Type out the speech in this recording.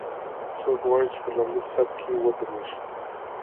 څوک غواړي چې په لومړي صف کې ودریږي؟